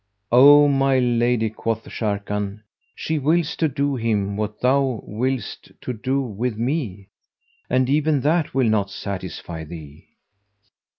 '" "O my lady," quoth Sharrkan, "she willed to do him what thou willest to do with me, and even that will not satisfy thee."